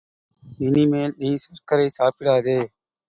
இனிமேல் நீ சர்க்கரை சாப்பிடாதே!